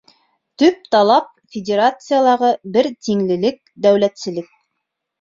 Төп талап — Федерациялағы бер тиңлелек, дәүләтселек!